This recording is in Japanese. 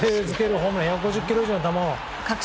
ホームラン１５０キロ以上の球を。